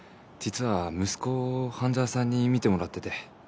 実は息子を半沢さんに見てもらってて。